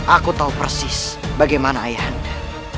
aku tahu persis bagaimana ayah anda